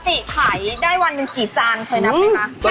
ปรดถิ่ถัยได้วันนึงกี่จานคลอยนับก่อนค่ะ